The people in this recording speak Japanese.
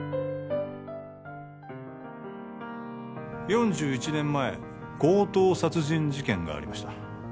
４１年前強盗殺人事件がありました